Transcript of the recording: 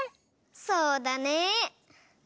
そうだね。